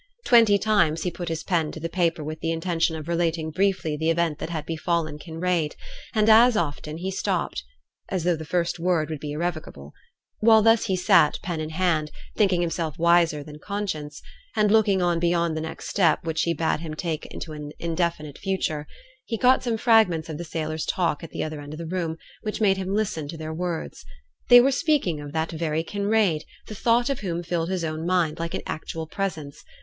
Twenty times he put his pen to the paper with the intention of relating briefly the event that had befallen Kinraid; and as often he stopped, as though the first word would be irrevocable. While he thus sate pen in hand, thinking himself wiser than conscience, and looking on beyond the next step which she bade him take into an indefinite future, he caught some fragments of the sailors' talk at the other end of the room, which made him listen to their words. They were speaking of that very Kinraid, the thought of whom filled his own mind like an actual presence.